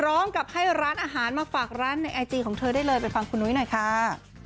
ร้องกับให้ร้านอาหารมาฝากร้านในไอจีของเธอได้เลยไปฟังคุณนุ้ยหน่อยค่ะ